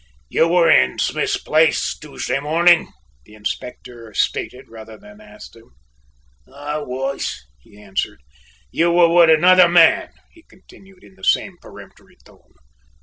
"You were in Smith's place Tuesday morning," the Inspector stated, rather than asked him. "I was," he answered. "You were with another man," he continued in the same peremptory tone.